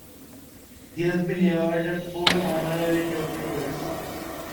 He has been awarded four honorary doctorates.